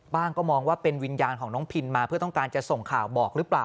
ก็มองว่าเป็นวิญญาณของน้องพินมาเพื่อต้องการจะส่งข่าวบอกหรือเปล่า